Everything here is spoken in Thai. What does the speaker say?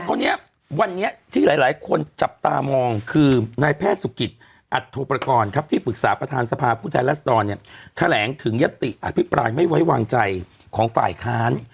คนนี้วันนี้ที่หลายคนจับตามองคือนายแพทย์สุกิตอัตโทปกรณ์ครับที่ปรึกษาประธานสภาพผู้แทนรัศดรเนี่ยแถลงถึงยติอภิปรายไม่ไว้วางใจของฝ่ายค้าน